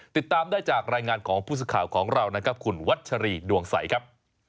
ติดตามได้จากรายงานของผู้สื่อข่าวของเรานะครับคุณวัชรีดวงใสครับ